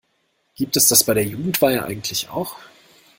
Gibt es das bei der Jugendweihe eigentlich auch?